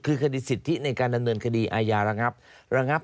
คือสิทธิในการดำเนินคดีอายารังรับ